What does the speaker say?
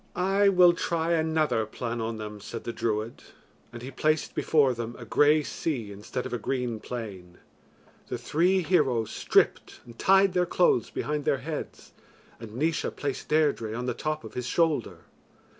"I will try another plan on them," said the druid; and he placed before them a grey sea instead of a green plain. The three heroes stripped and tied their clothes behind their heads, and Naois placed Deirdre on the top of his shoulder.